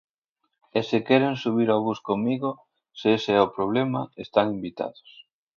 E se queren subir ao bus comigo, se ese é o problema, están invitados.